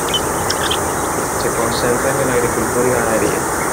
Se concentra en la agricultura y ganadería.